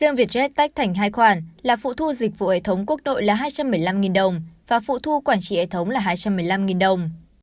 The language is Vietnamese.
riêng vietjet tách thành hai khoản là phụ thu dịch vụ hệ thống quốc đội là hai trăm một mươi năm đồng và phụ thu quản trị hệ thống là hai trăm một mươi năm đồng